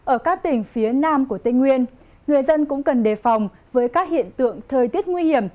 ở các tỉnh phía nam của tây nguyên người dân cũng cần đề phòng với các hiện tượng thời tiết nguy hiểm